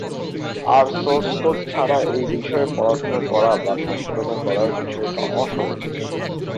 আর source code ছাড়া এই বিষয়ে পড়াশোনা করা বা সম্পাদনা করার বিষয়টি অস্বাভাবিক।